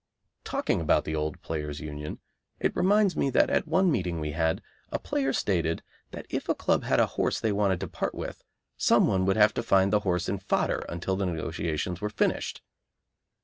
Talking about the old Players' Union, it reminds me that at one meeting we had, a player stated that if a club had a horse they wanted to part with, some one would have to find the horse in fodder until the negotiations were finished.